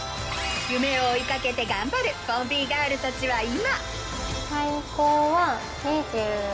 夢を追い掛けて頑張るボンビーガールたちは今？